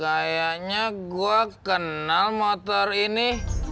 kayaknya gue kenal motor ini